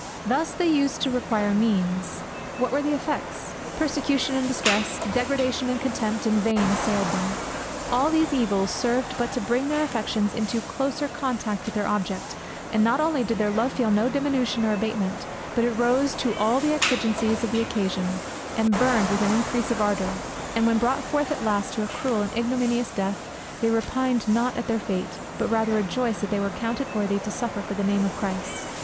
Thus they used the required means. What were the effects? Persecution and distress, degradation and contempt in vain assailed them all these evils served but to bring their affections into closer contact with their object; and not only did their love feel no diminution or abatement, but it rose to all the exigencies of the occasion, and burned with an increase of ardor; and when brought forth at last to a cruel and ignominious death, they repined not at their fate; but rather rejoiced that they were counted worthy to suffer for the name of Christ.